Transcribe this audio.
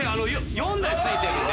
４台付いてるんで。